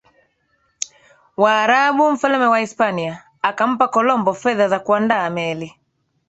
Waarabu Mfalme wa Hispania akampa Kolombo fedha za kuandaa meli